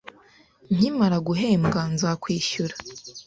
Nkimara guhembwa, nzakwishura.